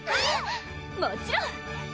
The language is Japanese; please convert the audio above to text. もちろん！